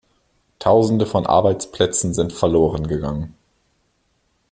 Tausende von Arbeitsplätzen sind verloren gegangen.